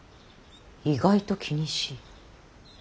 意外と気にしい。